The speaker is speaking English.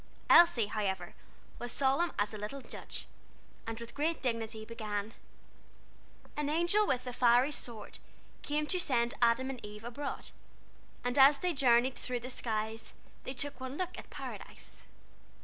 Elsie, however, was solemn as a little judge, and with great dignity began: "An angel with a fiery sword, Came to send Adam and Eve abroad And as they journeyed through the skies They took one look at Paradise.